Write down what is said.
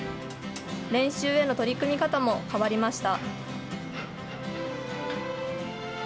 練習への取り組み方も変わりました。